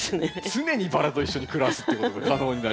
常にバラと一緒に暮らすっていうことが可能になります。